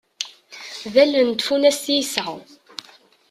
D allen n tfunast i yesɛa.